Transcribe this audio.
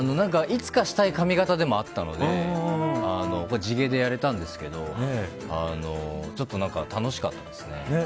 いつかしたい髪型でもあったので地毛でやれたんですけどちょっと楽しかったですね。